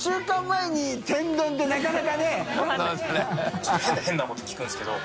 ちょっと変なこと聞くんですけど。